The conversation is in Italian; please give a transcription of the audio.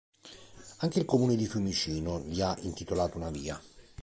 Anche il comune di Fiumicino gli ha intitolato una via.